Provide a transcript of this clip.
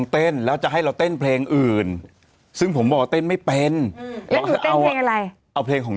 เต้นแล้วจะให้เราเต้นเพลงอื่นซึ่งผมบอกว่าเต้นไม่เป็นเอาเพลงอะไรเอาเพลงของ